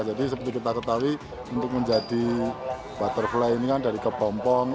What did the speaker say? jadi seperti kita ketahui untuk menjadi butterfly ini kan dari kepompong